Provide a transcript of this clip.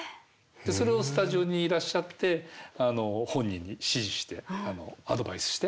それをスタジオにいらっしゃって本人に指示してアドバイスして。